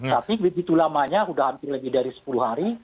tapi begitu lamanya sudah hampir lebih dari sepuluh hari